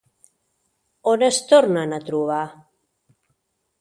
On es tornen a trobar?